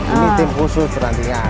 ini tim khusus perantingan